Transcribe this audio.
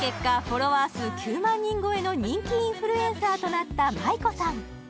フォロワー数９万人超えの人気インフルエンサーとなったＭａｉｋｏさん